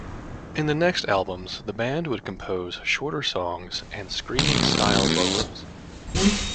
In the next albums, the band would compose shorter songs and screaming style vocals.